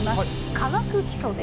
「化学基礎」です。